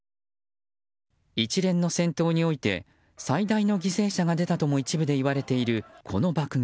一連の戦闘において最大の犠牲者が出たとも一部で言われているこの爆撃。